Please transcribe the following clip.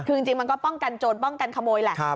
คือจริงมันก็ป้องกันโจรป้องกันขโมยแหละ